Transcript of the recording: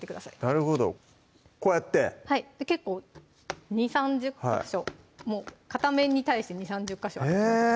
なるほどこうやってはい結構２０３０ヵ所片面に対して２０３０ヵ所えぇ！